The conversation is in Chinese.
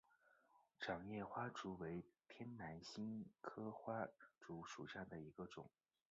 掌叶花烛为天南星科花烛属下的一个种。